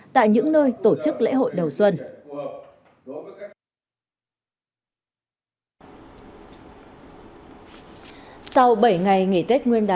tại những nơi tổ chức lễ hội đầu tiên